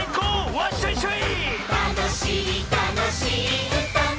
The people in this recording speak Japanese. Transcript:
わっしょいしょい！